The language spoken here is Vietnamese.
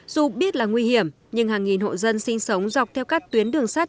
dù biết là nguy hiểm nhưng hàng nghìn hộ dân sinh sống dọc theo các tuyến đường sắt